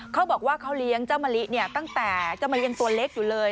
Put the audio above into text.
เขาบอกมาเขาเลี้ยงเจ้ามะลิตั้งแต่ตัวเล็กอยู่เลย